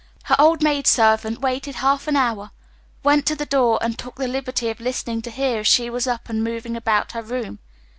Her old maid servant waited half an hour went to her door, and took the liberty of listening to hear if she was up and moving about her room.